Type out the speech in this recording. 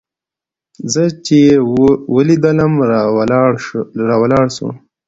زه چې يې ولېدلم راولاړ سو.